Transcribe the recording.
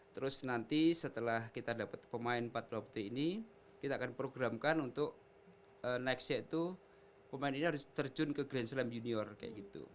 terus nanti setelah kita dapat pemain empat puluh t ini kita akan programkan untuk next yaitu pemain ini harus terjun ke grand slam junior kayak gitu